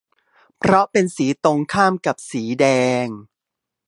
เพราะเป็นสีตรงข้ามกับสีแดง